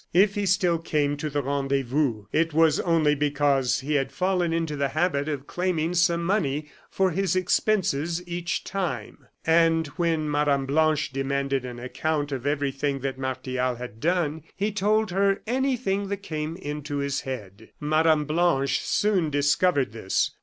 If he still came to the rendezvous, it was only because he had fallen into the habit of claiming some money for his expenses each time. And when Mme. Blanche demanded an account of everything that Martial had done, he told her anything that came into his head. Mme. Blanche soon discovered this.